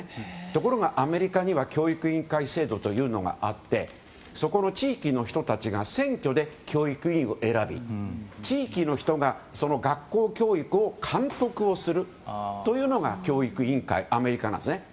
ところが、アメリカには教育委員会制度というのがあってそこの地域の人たちが選挙で教育委員を選び地域の人が学校教育を監督をするというのが教育委員会アメリカなんですね。